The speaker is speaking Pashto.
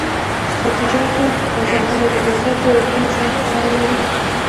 د سبزیجاتو تازه والي د بازار د غوښتنې سره تړاو لري.